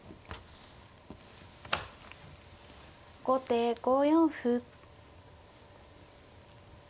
後手５四歩。